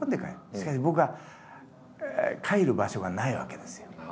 しかし僕は帰る場所がないわけですよ。